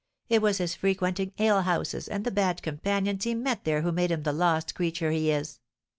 It was his frequenting alehouses, and the bad companions he met there who made him the lost creature he is."